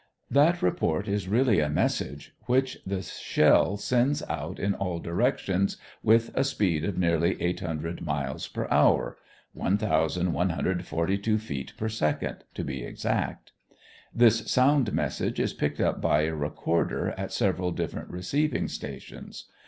That report is really a message which the shell sends out in all directions with a speed of nearly 800 miles per hour 1,142 feet per second, to be exact. This sound message is picked up by a recorder at several different receiving stations.